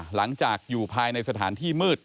หลังจากอยู่ภายในสถานที่มืด